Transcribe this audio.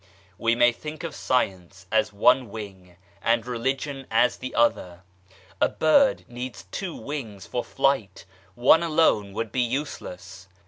We may think of Science as one wing and Religion as the other ; a bird needs two wings for flight, one alone would be useless.